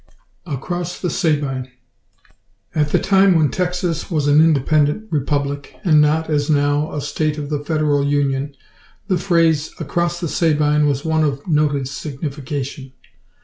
"ACROSS THE SABINE." At the time when Texas was an independent Republic, and not, as now, a State of the Federal Union, the phrase, "Across the Sabine" was one of noted signification.